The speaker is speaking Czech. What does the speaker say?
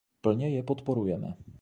Plně je podporujeme.